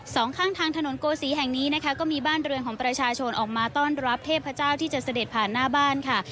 สองข้างทางถนนโกศีแห่งนี้นะคะก็มีบ้านเรือนของประชาชนออกมาต้อนรับเทพเจ้าที่จะเสด็จผ่านหน้าบ้านค่ะ